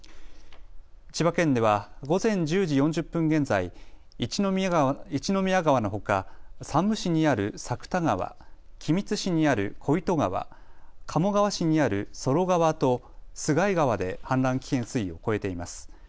千葉県では午前１０時４０分現在、一宮川のほか、山武市にある作田川、君津市にある小糸川、鴨川市にある曽呂川と洲貝川で氾濫危険水位を超えています。